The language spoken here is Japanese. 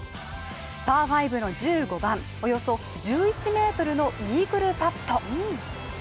パー５の１５番、およそ１１ｍのイーグルパット。